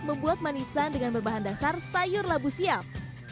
membuat manisan dengan berbahan dasar sayur labu siap